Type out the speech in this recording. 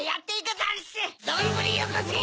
どんぶりよこせ！